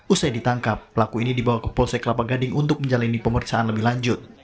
usai ditangkap pelaku ini dibawa ke polsek kelapa gading untuk menjalani pemeriksaan lebih lanjut